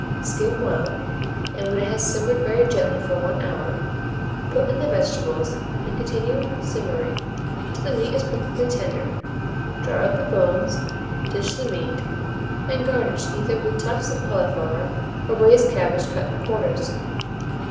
Skim well, and when it has simmered very gently for 1 hour, put in the vegetables, and continue simmering till the meat is perfectly tender. Draw out the bones, dish the meat, and garnish either with tufts of cauliflower or braised cabbage cut in quarters.